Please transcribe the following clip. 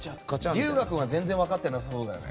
瑠雅君は全然分かってなさそうだよね。